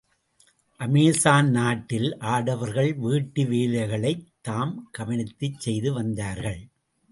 அமெசான் நாட்டில் ஆடவர்கள் வீட்டு வேலைகளைத்தாம் கவனித்துச் செய்து வந்தார்கள்.